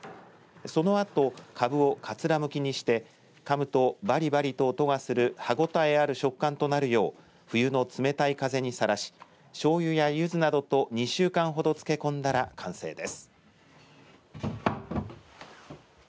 そのあと、株をかつらむきにしてかむと、ばりばりと音する歯応えある食感となるよう冬の冷たい風にさらししょうゆや、ゆずなどと２週間ほど漬け込んだら完成です。